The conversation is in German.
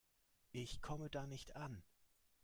Ich komme da nicht an.